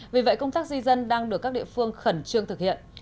vì vậy công tác di dân đang được các địa phương khẩn trương thực hiện